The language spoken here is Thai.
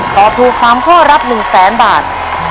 ตอบถูก๓ข้อรับ๑๐๐๐๐๐บาท